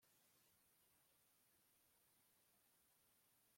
Barigunga umwanya munini Aho bigeze